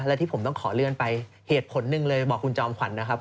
และที่ผมต้องขอเลื่อนไปเหตุผลหนึ่งเลยบอกคุณจอมขวัญนะครับ